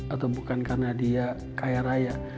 atau bukan karena dia kaya raya